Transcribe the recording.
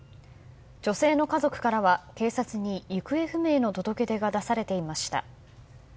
女性の家族からは警察に行方不明の届け出が出されていました。